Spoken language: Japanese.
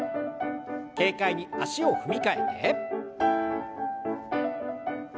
軽快に足を踏み替えて。